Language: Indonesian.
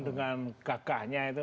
dengan gagahnya itu